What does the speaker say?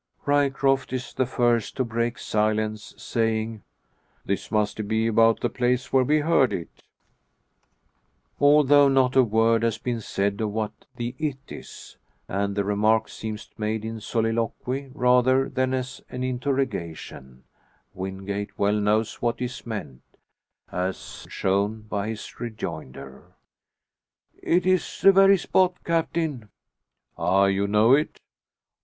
Ryecroft is the first to break silence, saying, "This must be about the place where we heard it." Although not a word has been said of what the "it" is, and the remark seems made in soliloquy rather than as an interrogation, Wingate well knows what is meant, as shown by his rejoinder: "It's the very spot, Captain." "Ah! you know it?"